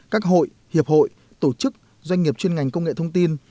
các hội hiệp hội tổ chức doanh nghiệp chuyên ngành công nghệ thông tin